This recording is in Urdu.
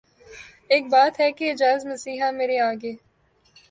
اک بات ہے اعجاز مسیحا مرے آگے